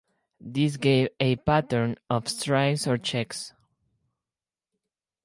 This gave a pattern of stripes or checks.